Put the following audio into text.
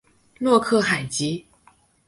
洛克海吉。